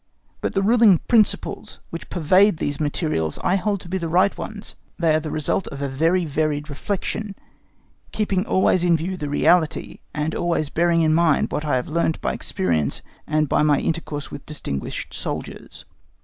But the ruling principles which pervade these materials I hold to be the right ones: they are the result of a very varied reflection, keeping always in view the reality, and always bearing in mind what I have learnt by experience and by my intercourse with distinguished soldiers.